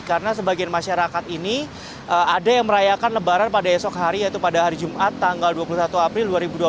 karena sebagian masyarakat ini ada yang merayakan lebaran pada esok hari yaitu pada hari jumat tanggal dua puluh satu april dua ribu dua puluh